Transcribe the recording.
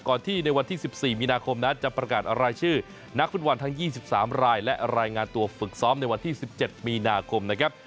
ที่ในวันที่๑๔มีนาคมนั้นจะประกาศรายชื่อนักฟุตบอลทั้ง๒๓รายและรายงานตัวฝึกซ้อมในวันที่๑๗มีนาคมนะครับ